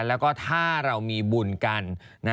แล้วก็ถ้าเรามีบุญกัน